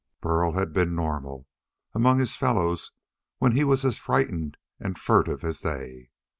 Burl had been normal among his fellows when he was as frightened and furtive as they.